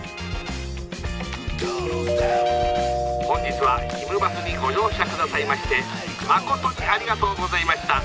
「本日はひむバスにご乗車下さいましてまことにありがとうございました。